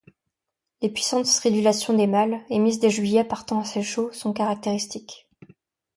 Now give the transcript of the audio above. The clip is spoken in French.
Les puissantes stridulations des mâles, émises dès juillet par temps assez chaud, sont caractéristiques.